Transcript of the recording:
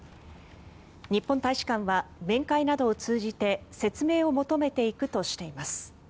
日本大使館は面会などを通じて説明を求めていくとしています。